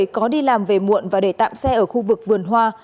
có đi làm về muộn và để tạm xe ở khu vực vườn hoa